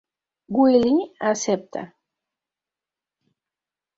Willie acepta.